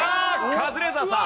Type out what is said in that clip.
カズレーザーさん。